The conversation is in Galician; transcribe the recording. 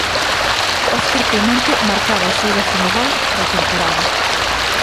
Óscar Clemente marcaba o seu décimo gol da temporada.